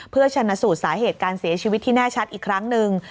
เพื่อชนะสูตรสาเหตุการเสียชีวิตที่แน่ชัดอีกครั้งหนึ่ง